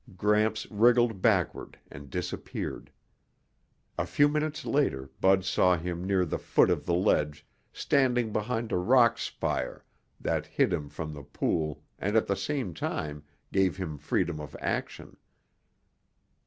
Gramps wriggled backward and disappeared. A few minutes later Bud saw him near the foot of the ledge standing behind a rock spire that hid him from the pool and at the same time gave him freedom of action.